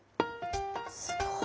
すごい！